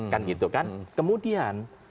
kan gitu kan kemudian